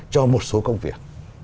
cho một số công việc